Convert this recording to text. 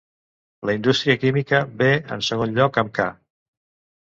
La indústria química ve en segon lloc amb ca.